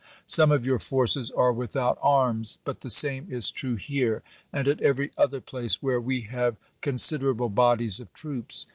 Some of your forces are without arms, but the same is true here, and at every other place where we have con siderable bodies of troops.